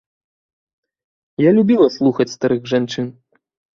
Я любіла слухаць старых жанчын.